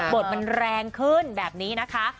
บทมันแรงขึ้นแบบนี้นะคะ